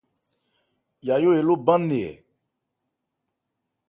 Yayó eló bán nne ɛ.